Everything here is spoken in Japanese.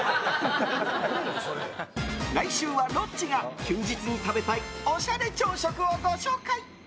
来週はロッチが休日に食べたいおしゃれ朝食をご紹介！